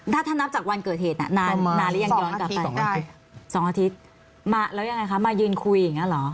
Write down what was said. นานแล้วยังย้อนกลับไปสองอาทิตย์มาแล้วยังไงคะมายืนคุยอย่างนั้นเหรอ